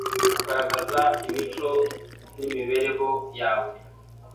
kugaragaza mico n’imibereho yawe.